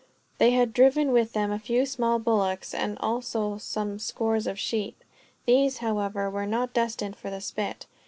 They had driven with them a few small bullocks, and also some scores of sheep. These, however, were not destined for the spit.